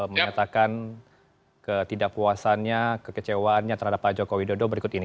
mengatakan ketidakpuasannya kekecewaannya terhadap pak joko widodo berikut ini